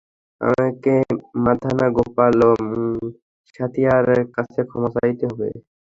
আমাকে মাধানা গোপাল এবং সাথ্যীয়ার কাছে ক্ষমা চাইতে হবে।